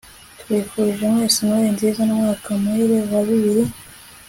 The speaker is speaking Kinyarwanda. tubifurije mwese noheli nziza n'umwaka muhire wa bibiri